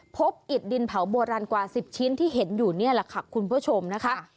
อิดดินเผาโบราณกว่า๑๐ชิ้นที่เห็นอยู่นี่แหละค่ะคุณผู้ชมนะคะ